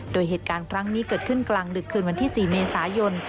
โดยเหตุการณ์ครั้งนี้เกิดขึ้นกลางดึกคืนวันที่๔เมษายน